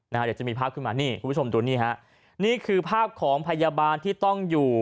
เดี๋ยวจะมีภาพขึ้นมานี่คุณผู้ชมดูนี่ฮะนี่คือภาพของพยาบาลที่ต้องอยู่